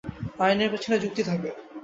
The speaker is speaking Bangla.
আইনের পেছনে যুক্তি থাকে।